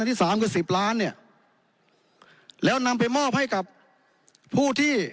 ที่สามกับสิบล้านเนี่ยแล้วนำไปมอบให้กับผู้ที่